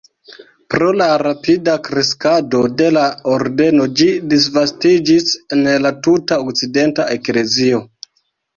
Pro la rapida kreskado de la ordeno ĝi disvastiĝis en la tuta okcidenta eklezio.